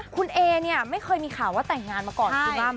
คุณเอเนี่ยไม่เคยมีข่าวว่าแต่งงานมาก่อนคุณบั้ม